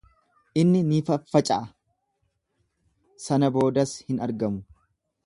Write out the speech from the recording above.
Inni ni faffaca'a, sana boodas hin argamu.